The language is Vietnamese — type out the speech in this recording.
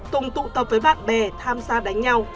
tùng tụ tập với bạn bè tham gia đánh nhau